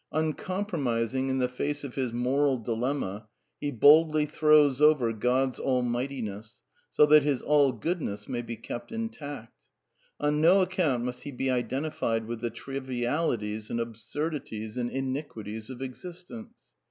Uncompro yf*^ mising in the face of his moral dilemma, he boldly throws / over God's Almightiness so that his All goodness may be kept intact. On no account must he be identified with the trivialities and absurdities and iniquities of existence.